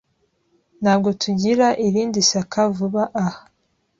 Ntabwo tugira irindi shyaka vuba aha.